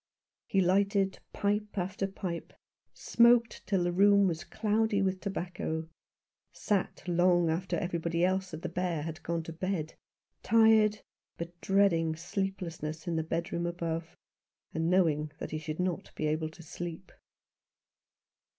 He lighted pipe after pipe, smoked till the room was cloudy with tobacco, sat long after everybody else at the Bear had gone to bed, tired but dreading sleeplessness in the bedroom above, and knowing that he should not be able to sleep.